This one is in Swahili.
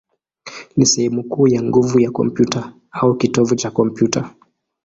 ni sehemu kuu ya nguvu ya kompyuta, au kitovu cha kompyuta.